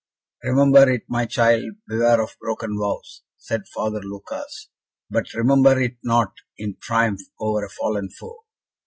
"Remember it, my child beware of broken vows," said Father Lucas; "but remember it not in triumph over a fallen foe.